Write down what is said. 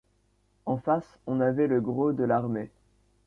En face, on avait le gros de l’armée.